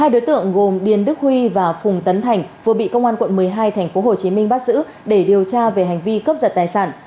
hai đối tượng gồm điền đức huy và phùng tấn thành vừa bị công an quận một mươi hai tp hcm bắt giữ để điều tra về hành vi cướp giật tài sản